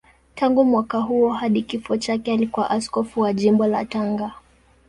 Tangu mwaka huo hadi kifo chake alikuwa askofu wa Jimbo la Tanga.